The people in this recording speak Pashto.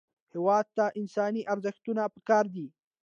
هېواد ته انساني ارزښتونه پکار دي